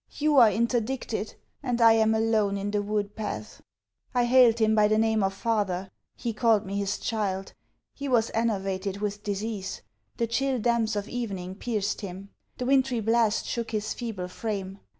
You are interdicted! and I am alone in the wood path! I hailed him by the name of father. He called me his child. He was enervated with disease. The chill damps of evening pierced him. The wintry blast shook his feeble frame.